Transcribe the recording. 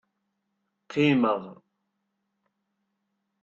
Qimeɣ.